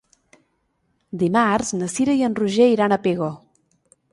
Dimarts na Cira i en Roger iran a Pego.